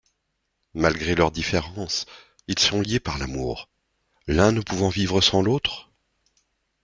Malgré leurs différences, ils sont liés par l'amour, l'un ne pouvant vivre sans l'autre.